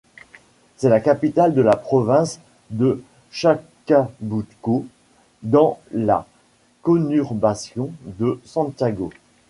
C'est la capitale de la Province de Chacabuco, dans la conurbation de Santiago.